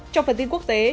trong phần tin quốc tế